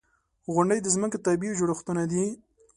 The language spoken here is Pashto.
• غونډۍ د ځمکې طبعي جوړښتونه دي.